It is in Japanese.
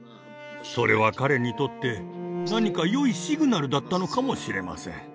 それは彼にとって何かよいシグナルだったのかもしれません。